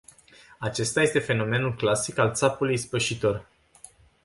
Acesta este fenomenul clasic al țapului ispășitor.